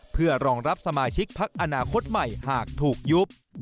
เพื่อรองรับสมาชิกพักอนาคตใหม่หากถูกยุบ